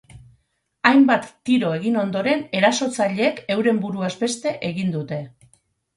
Hainbat tiro egin ondoren, erasotzaileek euren buruaz beste egin dute.